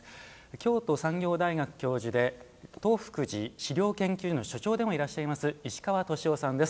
京都産業大学教授で東福寺資料研究所の所長でもいらっしゃいます石川登志雄さんです。